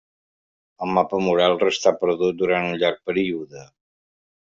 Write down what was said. El mapa mural restà perdut durant un llarg període.